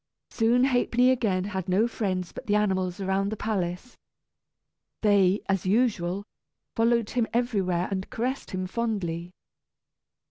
Soon Ha'penny again had no friends but the animals around the palace. They, as usual, followed him everywhere, and caressed him fondly.